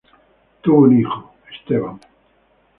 Tuvo un hijo, Esteban.